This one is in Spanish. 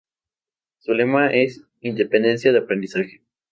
Su lema es "Independencia de aprendizaje".